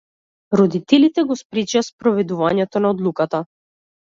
Родителите го спречија спроведувањето на одлуката.